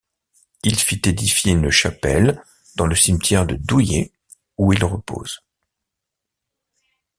Il fit édifier une chapelle dans le cimetière de Douillet, où il repose.